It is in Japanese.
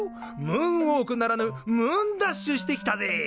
ムーンウォークならぬムーンダッシュしてきたぜ。